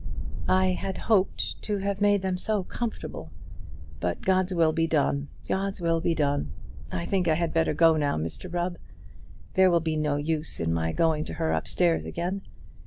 "I had hoped to have made them so comfortable! But God's will be done; God's will be done. I think I had better go now, Mr Rubb. There will be no use in my going to her upstairs again.